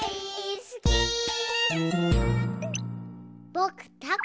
ぼくたこ